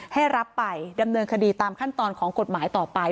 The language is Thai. ให้รับไปดำเนินคดีตามขั้นตอนของกฎหมายต่อไป